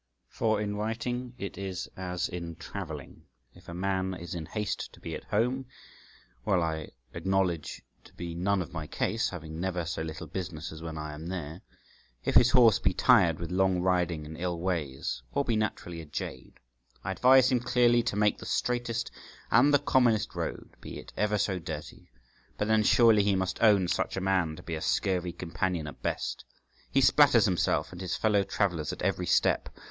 For in writing it is as in travelling. If a man is in haste to be at home (which I acknowledge to be none of my case, having never so little business as when I am there), if his horse be tired with long riding and ill ways, or be naturally a jade, I advise him clearly to make the straightest and the commonest road, be it ever so dirty; but then surely we must own such a man to be a scurvy companion at best. He spatters himself and his fellow travellers at every step.